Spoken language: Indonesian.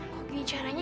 kok gini caranya